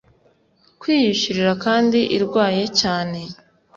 kwiyishyurira kandi irwaye cyane